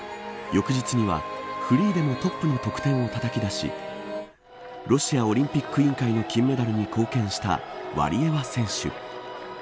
翌日にはフリーでもトップの得点をたたき出しロシアオリンピック委員会の金メダルに貢献したワリエワ選手。